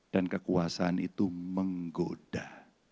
dan kekuasaan itu menggoda